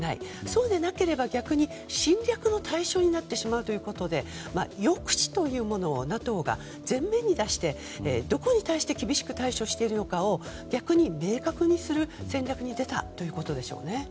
そうでなければ逆に侵略の対象になってしまうということで抑止というものをＮＡＴＯが前面に出してどこに対して厳しく対処しているのかを逆に明確にする戦略に出たということでしょうね。